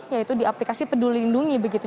yaitu di aplikasi peduli lindungi begitu